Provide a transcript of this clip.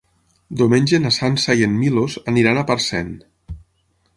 Diumenge na Sança i en Milos aniran a Parcent.